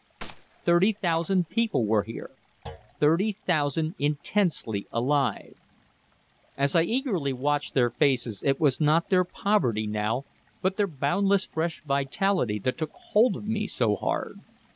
Thirty thousand people were here. Thirty thousand intensely alive. As I eagerly watched their faces it was not their poverty now but their boundless fresh vitality that took hold of me so hard.